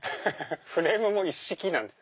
フレームも一式なんです。